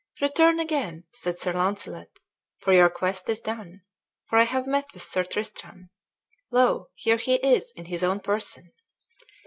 "Return again," said Sir Launcelot, "for your quest is done; for I have met with Sir Tristram. Lo, here he is in his own person."